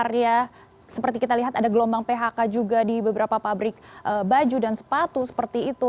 karena seperti kita lihat ada gelombang phk juga di beberapa pabrik baju dan sepatu seperti itu